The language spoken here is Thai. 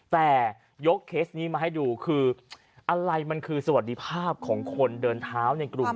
แต่ยกเคสนี้มาให้ดูคืออะไรมันคือสวัสดีภาพของคนเดินเท้าในกรุง